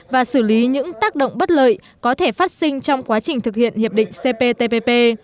và xử lý những tác động bất lợi có thể phát sinh trong quá trình thực hiện hiệp định cptpp